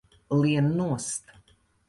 Lien nost!